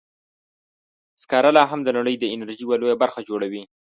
سکاره لا هم د نړۍ د انرژۍ یوه لویه برخه جوړوي.